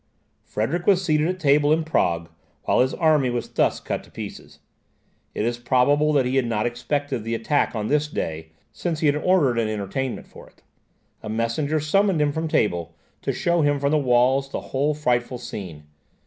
Frederick was seated at table in Prague, while his army was thus cut to pieces. It is probable that he had not expected the attack on this day, since he had ordered an entertainment for it. A messenger summoned him from table, to show him from the walls the whole frightful scene.